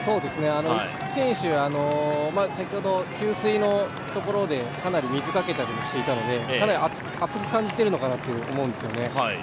逸木選手、先ほど給水のところでかなり水かけたりもしていたのでかなり暑く感じてるのかなと思うんですよね。